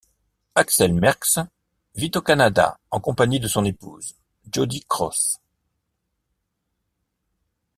Axel Merckx vit au Canada en compagnie de son épouse, Jodi Cross.